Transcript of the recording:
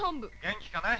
「元気かね？